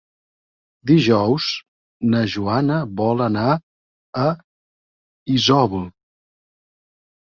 Dijous na Joana vol anar a Isòvol.